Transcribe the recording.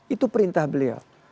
itu perintah beliau